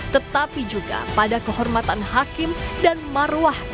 tetapi juga pada kehormatan hakim dan marwah